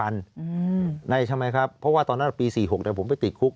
ใช่ไหมครับเพราะว่าตอนนั้นปี๔๖ผมไปติดคุก